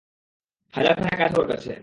হাজারখানেক আছে ওর কাছে।